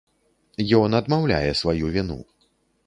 Ён адмаўляе сваю віну.